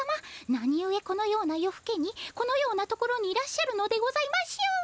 なにゆえこのような夜ふけにこのような所にいらっしゃるのでございましょう。